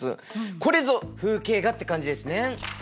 これぞ風景画って感じですね！